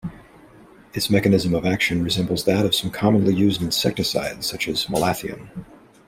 Its mechanism of action resembles that of some commonly used insecticides, such as malathion.